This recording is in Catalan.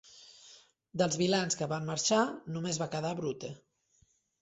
Dels vilans que van marxar, només va quedar Brute.